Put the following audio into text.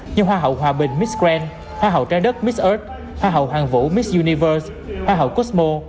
như hoa hậu hòa bình miss grand hoa hậu trang đất miss earth hoa hậu hoàng vũ miss universe hoa hậu cosmo